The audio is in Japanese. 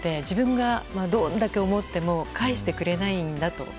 自分がどんなに思っても返してくれないんだと。